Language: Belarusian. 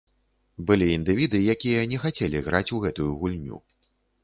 Былі індывіды, якія не хацелі граць у гэтую гульню.